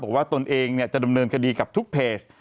ตนเองจะดำเนินคดีกับทุกเพจ